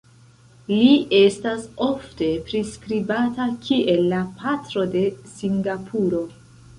Li estas ofte priskribata kiel la "Patro de Singapuro".